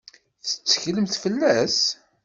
Tetteklemt fell-as?